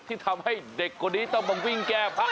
ที่ทำให้เด็กคนนี้ต้องมาวิ่งแก้ผ้า